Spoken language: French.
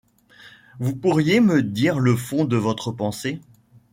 Vous pourriez me dire le fond de votre pensée ?